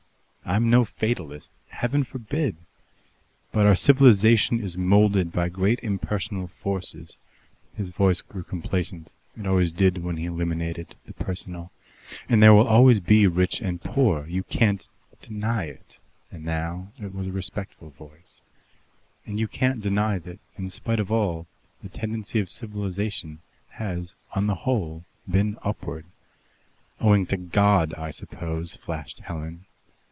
I'm no fatalist. Heaven forbid! But our civilization is moulded by great impersonal forces" (his voice grew complacent; it always did when he eliminated the personal), "and there always will be rich and poor. You can't deny it" (and now it was a respectful voice) "and you can't deny that, in spite of all, the tendency of civilization has on the whole been upward." "Owing to God, I suppose," flashed Helen.